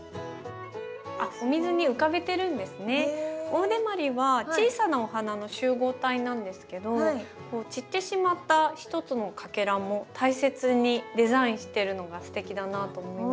オオデマリは小さなお花の集合体なんですけど散ってしまった一つのかけらも大切にデザインしてるのがすてきだなと思いました。